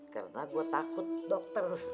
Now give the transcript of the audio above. karena gue takut dokter